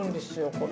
これ。